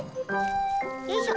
よいしょ。